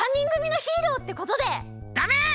ダメ！